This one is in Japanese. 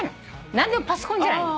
何でもパソコンじゃない。